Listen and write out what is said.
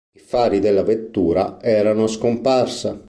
I fari della vettura erano a scomparsa.